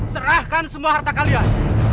serahkan semua harta kalian